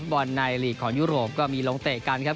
บอลในลีกของยุโรปก็มีลงเตะกันครับ